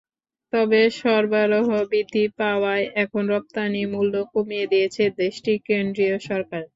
তবে সরবরাহ বৃদ্ধি পাওয়ায় এখন রপ্তানিমূল্য কমিয়ে দিয়েছে দেশটির কেন্দ্রীয় সরকার।